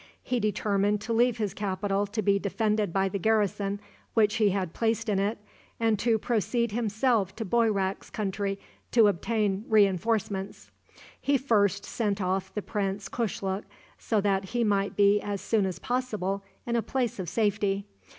He determined to leave his capital to be defended by the garrison which he had placed in it, and to proceed himself to Boyrak's country to obtain re enforcements. He first sent off the Prince Kushluk, so that he might be as soon as possible in a place of safety.